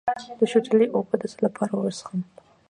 د شوتلې اوبه د څه لپاره وڅښم؟